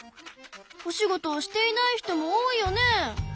お仕事をしていない人も多いよね？